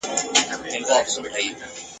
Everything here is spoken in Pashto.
چي ډزي نه وي توري نه وي حادثې مو وهي ..